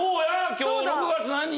今日６月何日？